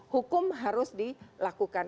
hukum harus dilakukan